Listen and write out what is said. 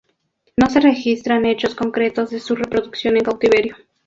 No se registran hechos concretos de su reproducción en cautiverio.